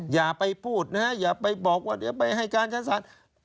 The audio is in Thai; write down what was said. อย่าไปพูดนะฮะอย่าไปบอกว่าเดี๋ยวไปให้การชั้นศาล